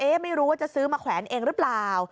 ไม่รู้ว่าจะซื้อมาแขวนเองหรือเปล่า